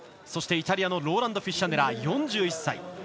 そして、イタリアのローランド・フィッシャネラー４１歳。